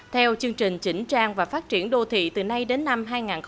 theo chương trình chỉnh trang và phát triển đô thị từ nay đến năm hai nghìn ba mươi